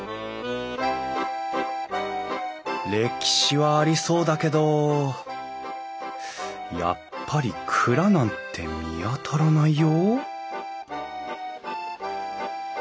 歴史はありそうだけどやっぱり蔵なんて見当たらないよ？